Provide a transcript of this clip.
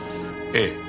ええ。